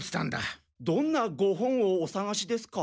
どんなご本をお探しですか？